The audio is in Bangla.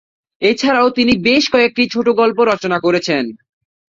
এছাড়াও তিনি বেশ কয়েকটি ছোটগল্প রচনা করেছেন।